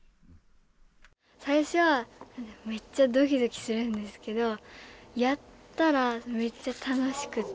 最初はめっちゃドキドキするんですけどやったらめっちゃ楽しくて。